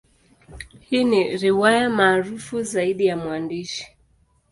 Hii ni riwaya maarufu zaidi ya mwandishi.